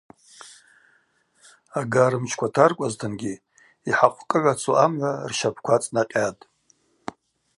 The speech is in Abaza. Ага рымчква таркӏвазтынгьи йхӏахъвкӏыгӏвацу амгӏва рщапӏква цӏнакъьатӏ.